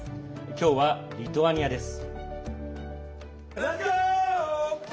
今日はリトアニアです。